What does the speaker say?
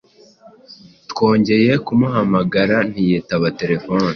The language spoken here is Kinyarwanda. twongeye kumuhamagara ntiyitaba telefone